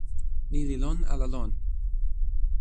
ni li lon ala lon?